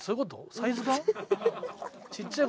サイズ感？